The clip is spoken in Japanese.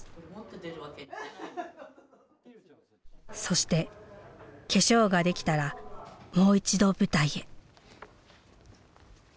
そして化粧ができたらもう一度舞台へ。